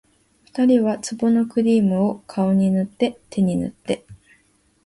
二人は壺のクリームを、顔に塗って手に塗って